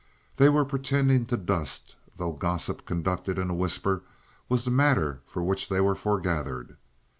They were pretending to dust, though gossip conducted in a whisper was the matter for which they were foregathered.